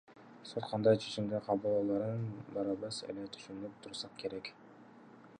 Сот кандай чечим кабыл алаарын баарыбыз эле түшүнүп турсак керек.